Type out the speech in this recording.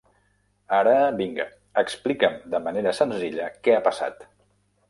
Ara, vinga, explica'm de manera senzilla què ha passat.